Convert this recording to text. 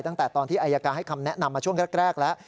ตั้งแต่ตอนที่อายการให้คำแนะนำมาช่วงแรกแล้ว